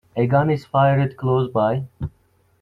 A gun is fired close by.